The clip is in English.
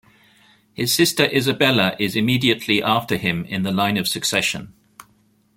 His sister Isabella is immediately after him in the line of succession.